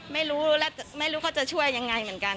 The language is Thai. ไม่รู้แล้วไม่รู้เขาจะช่วยยังไงเหมือนกัน